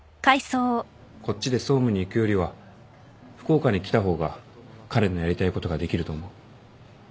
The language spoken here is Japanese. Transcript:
こっちで総務に行くよりは福岡に来た方が彼のやりたいことができると思う